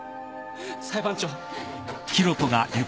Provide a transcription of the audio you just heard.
裁判長。